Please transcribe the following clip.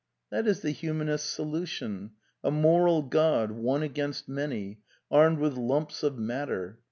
That is the Humanist's solution: a moral God, one against many, armed with lumps of Matter.